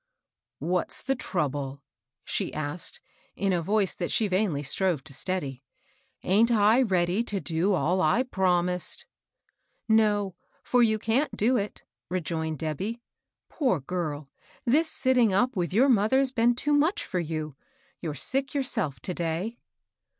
" What's the trouble ?" she asked, in a voice that she vainly strove to steady. " Aint I ready to do all I promised ?" "No, for you can't do it," rejoined Debby. " Poor girl I this sitting up with your mother's been too much for you I you're sick yourself to day."